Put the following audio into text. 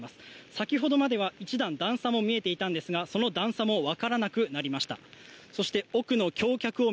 先ほどまでは１段、段差も見えていたんですがその段差もわからなくなりました。